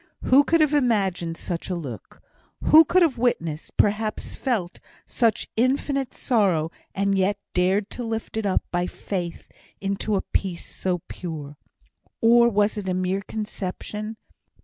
Who could have imagined such a look? Who could have witnessed perhaps felt such infinite sorrow, and yet dared to lift it up by Faith into a peace so pure? Or was it a mere conception?